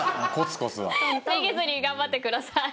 めげずに頑張ってください。